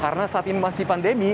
karena saat ini masih pandemi